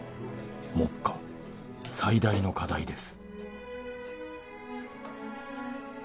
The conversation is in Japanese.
「目下最大の課題です」